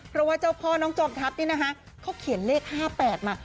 เพราะว่าเจ้าพ่อน้องจอมทัพนี่นะคะเขาเขียนเลข๕๘มา